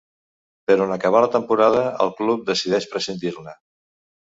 Però en acabar la temporada el club decideix prescindir-ne.